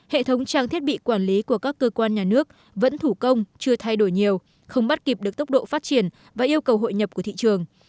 hệ thống trang thiết bị quản lý của các cơ quan nhà nước vẫn thủ công chưa thay đổi nhiều không bắt kịp được tốc độ phát triển và yêu cầu hội nhập của thị trường